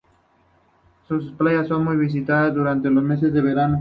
Sus playas son muy visitadas durante los meses de verano.